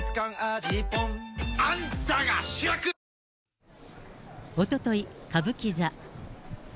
待て、ま、おととい、歌舞伎座。